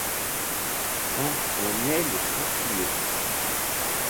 Caen en est le chef-lieu.